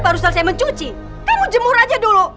baru selesai mencuci kamu jemur aja dulu